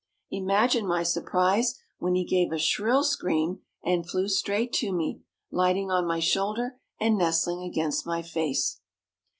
Imagine my surprise when he gave a shrill scream and flew straight to me, lighting on my shoulder and nestling against my face.